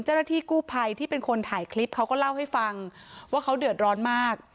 เจ้าหน้าที่กู้ภัยที่เป็นคนถ่ายคลิปเขาก็เล่าให้ฟังว่าเขาเดือดร้อนมาก